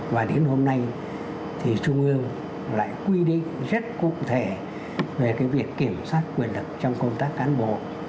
và đến hôm nay thì trung ương lại quy định rất cụ thể về cái việc kiểm soát quyền lực trong công tác cán bộ